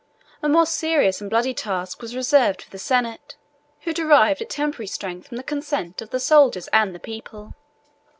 A more serious and bloody task was reserved for the senate, who derived a temporary strength from the consent of the soldiers and people.